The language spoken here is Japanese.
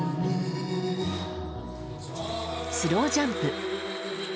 スロージャンプ。